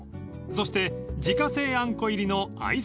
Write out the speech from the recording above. ［そして自家製あんこ入りの］